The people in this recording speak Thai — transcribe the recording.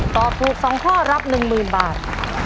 ตอบถูก๒ข้อรับ๑๐๐๐บาท